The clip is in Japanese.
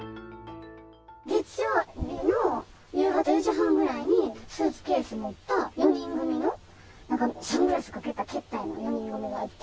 月曜日の夕方４時半ぐらいに、スーツケース持った４人組ね、なんかサングラスをかけた、けったいな４人組がいて。